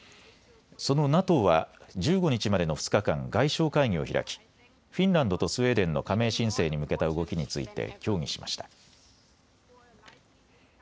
そのＮＡＴＯは１５日までの２日間、外相会議を開きフィンランドとスウェーデンの加盟申請に向けた動きについて協議しました。